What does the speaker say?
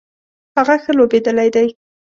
هغه ښه لوبیدلی دی